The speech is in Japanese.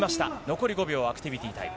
残り５秒、アクティビティタイム。